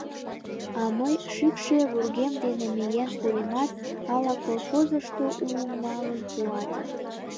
— А мый шӱкшӧ вургем дене миен пуремат, ала колхозышто уым налын пуат.